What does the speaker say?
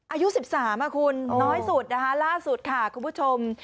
อายุ๑๓คุณน้อยสุดนะคะล่าสุดค่ะคุณผู้ชม